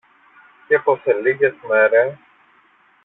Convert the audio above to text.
και πως σε λίγες μέρες